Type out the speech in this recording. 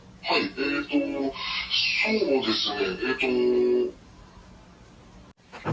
えっとそうですね。